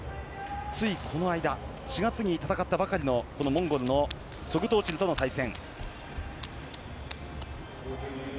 ついこの間４月に戦ったばかりのこのモンゴルのツォグト・オチルとの対戦。